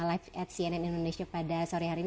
live at cnn indonesia pada sore hari ini